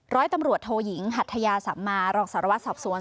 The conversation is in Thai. ร้อยตำรวจโทยิงหัทยาสัมมารองสารวัตรสอบสวน